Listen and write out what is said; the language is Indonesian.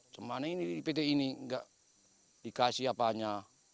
semana ini di pt ini nggak dikasih apanya